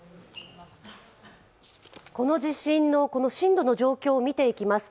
この地震の震度の状況を見ていきます。